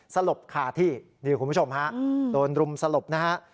สลบคาที่นี่คุณผู้ชมฮะโดนรุมสลบนะฮะ